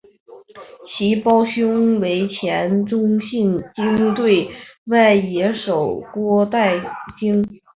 其胞兄为前中信鲸队外野手郭岱咏。